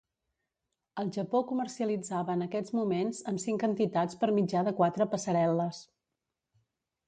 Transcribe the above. El Japó comercialitzava en aquests moments amb cinc entitats per mitjà de quatre "passarel·les".